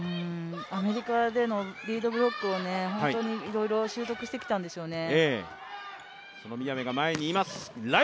アメリカでのリードブロックをいろいろ習得してきたんでしょうね。